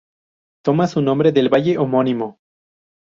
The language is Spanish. Toma su nombre del valle homónimo.